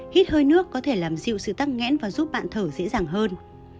hít hơi nước có thể làm dịu sự tắc nghẽn và giúp bạn thở dễ dàng hơn